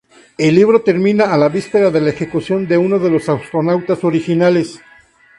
El libro termina la víspera de la ejecución de uno de los astronautas originales.